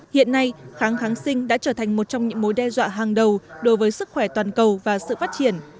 hiện nay kháng kháng sinh đã trở thành một trong những mối đe dọa hàng đầu đối với sức khỏe toàn cầu và sự phát triển